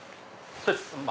そうです